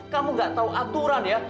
kamu gak tahu aturan ya